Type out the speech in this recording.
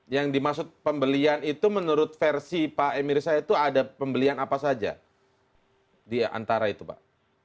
yang dimaksud pembelian itu menurut versi pak emir saya itu ada pembelian apa saja di antara itu pak